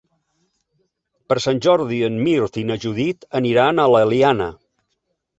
Per Sant Jordi en Mirt i na Judit aniran a l'Eliana.